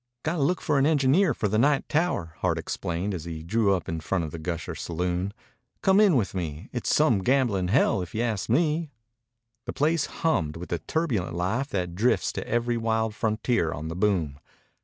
"Got to look for an engineer for the night tower," Hart explained as he drew up in front of the Gusher Saloon. "Come in with me. It's some gambling hell, if you ask me." The place hummed with the turbulent life that drifts to every wild frontier on the boom.